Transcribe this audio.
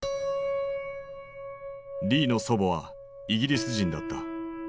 リーの祖母はイギリス人だった。